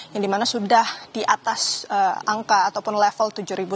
yang dimana sudah di atas angka ataupun level tujuh